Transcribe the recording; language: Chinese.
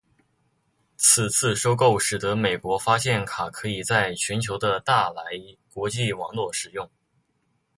此次收购使得美国发现卡可以在全球的大来国际网络使用。